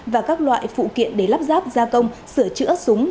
và các loại phụ kiện để lắp ráp gia công sửa chữa súng